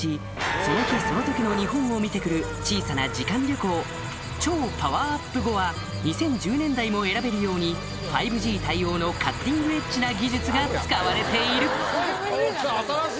その日その時の日本を見てくる小さな時間旅行超パワーアップ後は２０１０年代も選べるように５Ｇ対応のカッティング・エッジな技術が使われている新しい！